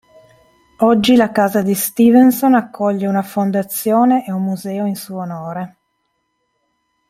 Oggi la casa di Stevenson accoglie una Fondazione e un museo in suo onore.